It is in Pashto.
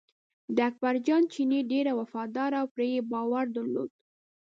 د اکبر جان چینی ډېر وفاداره و پرې یې باور درلود.